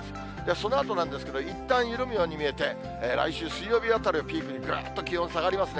そのあとなんですけれども、いったん緩むように見えて、来週水曜日あたりをピークに、ぐーっと気温下がりますね。